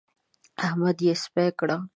احمد يې سپي کړ.